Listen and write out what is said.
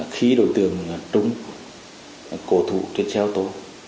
khi đối tượng trung cổ thủ trên treo tố